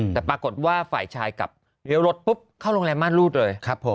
แต่ปรากฏว่าฝ่ายชายกลับเดี๋ยวรถปุ๊บเข้าโรงแรมมารรูปเลย